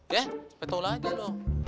ya pak tau aja loh